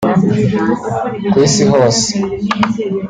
Ku isi hose